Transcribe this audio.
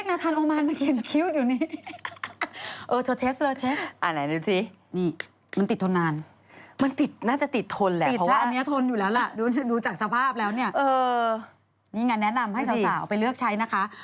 คุณกริจดีคุณกริจดีมาก